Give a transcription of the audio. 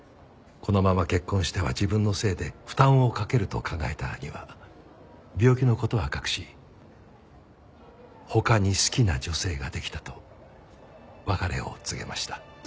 このまま結婚しては自分のせいで負担をかけると考えた兄は病気の事は隠し他に好きな女性ができたと別れを告げました。